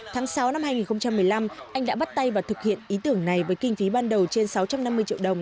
tháng sáu năm hai nghìn một mươi năm anh đã bắt tay và thực hiện ý tưởng này với kinh phí ban đầu trên sáu trăm năm mươi triệu đồng